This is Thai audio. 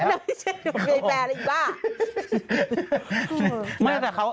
ก็ไม่ใช่เปล่ามีไปละอีบ้า